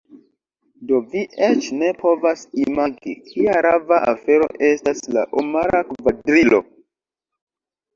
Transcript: Do vi eĉ ne povas imagi, kia rava afero estas la Omara Kvadrilo.